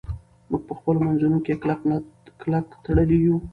موږ په خپلو منځونو کې کلک تړلي یو.